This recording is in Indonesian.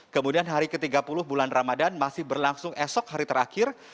kemudian hari ke tiga puluh bulan ramadan masih berlangsung esok hari terakhir